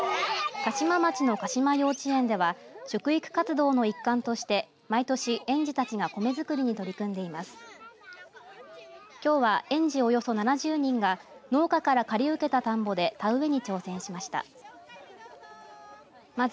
嘉島町の嘉島幼稚園では食育活動の一環として毎年、園児たちが米づくりに取り組んでいます。